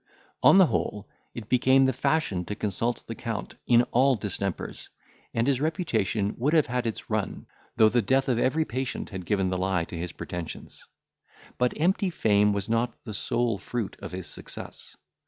On the whole, it became the fashion to consult the Count in all distempers, and his reputation would have had its run, though the death of every patient had given the lie to his pretensions. But empty fame was not the sole fruit of his success.